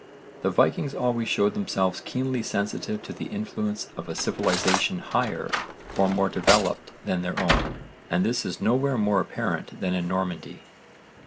The Vikings always showed themselves keenly sensitive to the influence of a civilisation higher or more developed than their own, and this is nowhere more apparent than in Normandy.